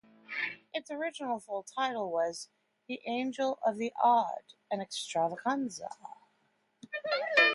Its original full title was "The Angel of the Odd: An Extravaganza".